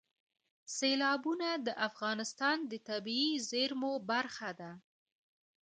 سیلابونه د افغانستان د طبیعي زیرمو برخه ده.